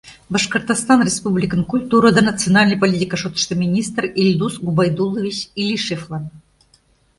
Башкортостан Республикын Культура да национальный политика шотышто министр Ильдус Губайдуллович Илишевлан